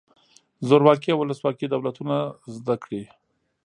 زورواکي او ولسواکي دولتونه زده کړئ.